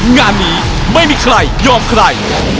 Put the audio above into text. งานนี้ไม่มีใครยอมใคร